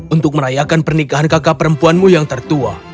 untuk merayakan pernikahan kakak perempuanmu yang tertua